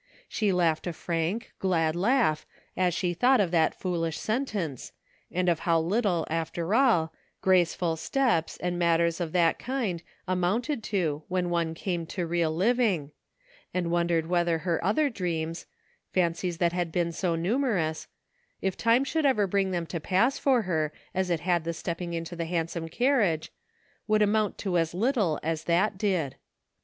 She laughed a frank, glad laugh as she thought of that foolish sentence, and of how little, after all, graceful steps and matters of that kind amounted to when one came to real living, 284 ENTERTAINING COMPANY. and wondered whether her other dreams — fan cies that had been so numerous — if time should ever bring them to pass for her as it had the stepping into the handsome carriage — would amount to as little as that did.